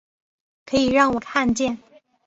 可以让我看见